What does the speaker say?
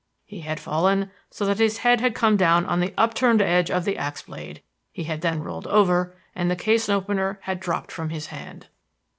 He had fallen so that his head had come down on the upturned edge of the axe blade; he had then rolled over and the case opener had dropped from his hand.